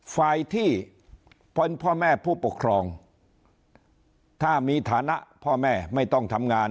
ฝ่ายที่เป็นพ่อแม่ผู้ปกครองถ้ามีฐานะพ่อแม่ไม่ต้องทำงาน